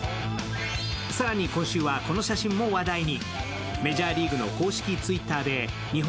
更に、今週はこの写真も話題に。